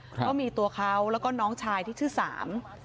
เพราะมีตัวเขาแล้วก็น้องชายที่ชื่อสาม